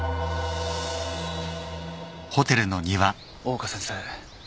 大岡先生。